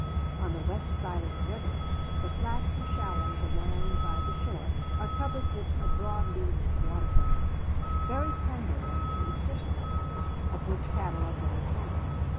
On the west side of the river, the flats and shallows along by the shore are covered with a broad leaved water grass, very tender and nutritious, of which cattle are very fond.